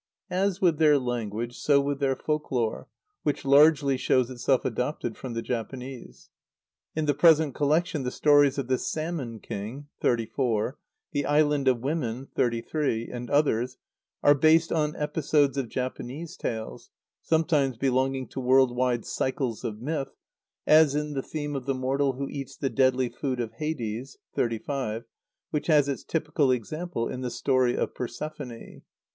As with their language, so with their folk lore, which largely shows itself adopted from the Japanese. In the present collection the stories of the Salmon king (xxxiv.), the Island of Women (xxxiii.), and others, are based on episodes of Japanese tales, sometimes belonging to world wide cycles of myth, as in the theme of the mortal who eats the deadly food of Hades (xxxv.), which has its typical example in the story of Persephone.